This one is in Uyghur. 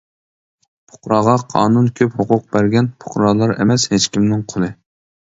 پۇقراغا قانۇن كۆپ ھوقۇق بەرگەن، پۇقرالار ئەمەس ھېچكىمنىڭ قۇلى.